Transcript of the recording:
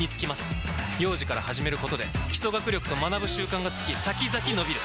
幼児から始めることで基礎学力と学ぶ習慣がつき先々のびる！